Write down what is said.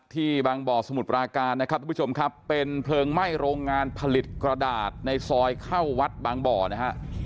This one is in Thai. ที่บางบ่อสมุทรปราการนะครับทุกผู้ชมครับเป็นเพลิงไหม้โรงงานผลิตกระดาษในซอยเข้าวัดบางบ่อนะฮะ